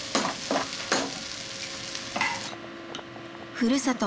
ふるさと